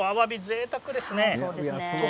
ぜいたくですね。